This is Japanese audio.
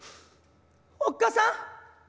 おっ母さん。